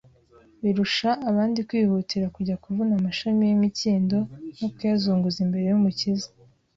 birusha abandi kwihutira kujya kuvuna amashami y'imikindo no kuyazunguza imbere y'Umukiza